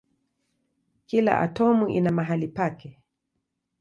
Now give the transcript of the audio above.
Kila atomu ina mahali pake.